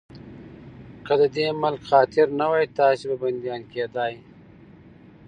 که د دې ملک خاطر نه وای، تاسې به بنديان کېدئ.